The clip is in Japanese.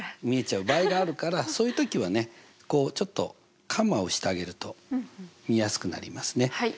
見えちゃう場合があるからそういう時はねちょっとコンマをしてあげると見やすくなりますね。